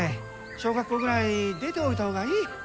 小学校ぐらい出ておいた方がいい。